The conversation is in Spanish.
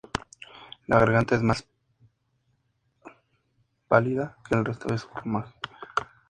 La garganta es más pálida que el resto de su plumaje.